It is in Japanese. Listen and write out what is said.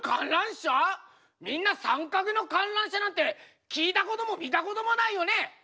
みんな三角の観覧車なんて聞いたことも見たこともないよね？